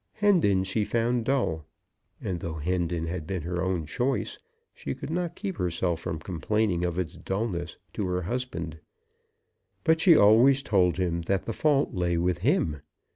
Hendon she found dull; and, though Hendon had been her own choice, she could not keep herself from complaining of its dulness to her husband. But she always told him that the fault lay with him.